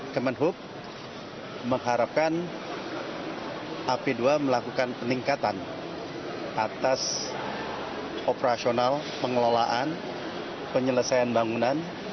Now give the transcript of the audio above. kemenhub mengharapkan ap dua melakukan peningkatan atas operasional pengelolaan penyelesaian bangunan